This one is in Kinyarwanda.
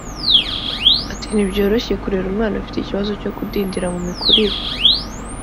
Ati “Ntibyoroshye kurera umwana ufite ikibazo cyo kudindira mu mikurire